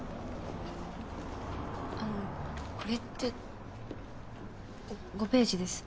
あのこれって５ページです。